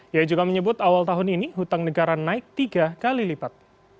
ia juga menyebut awal tahun ini hutang negara naik tiga kali lipat